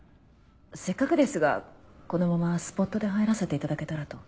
せっかくですがこのままスポットで入らせていただけたらと。